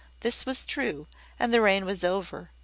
This was true; and the rain was over.